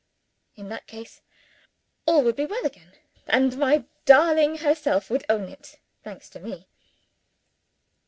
In that case, all would be well again (and my darling herself would own it) thanks to Me!